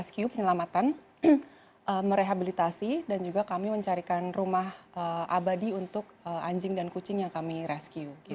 rescue penyelamatan merehabilitasi dan juga kami mencarikan rumah abadi untuk anjing dan kucing yang kami rescue